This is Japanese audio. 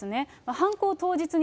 犯行当日に、